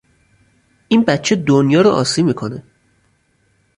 این بچه دنیا را عاصی میکند!